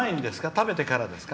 食べてからですか？